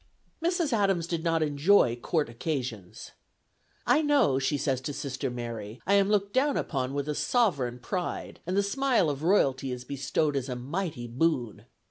Mrs. Adams did not enjoy Court occasions. "I know," she says to Sister Mary, "I am looked down upon with a sovereign pride, and the smile of royalty is bestowed as a mighty boon.